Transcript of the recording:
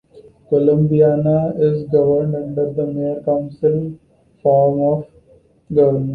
Columbiana is governed under the mayor-council form of government.